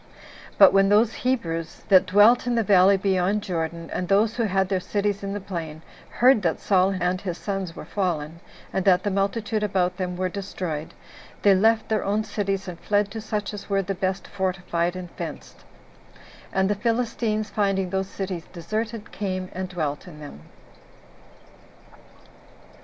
But when those Hebrews that dwelt in the valley beyond Jordan, and those who had their cities in the plain, heard that Saul and his sons were fallen, and that the multitude about them were destroyed, they left their own cities, and fled to such as were the best fortified and fenced; and the Philistines, finding those cities deserted, came and dwelt in them.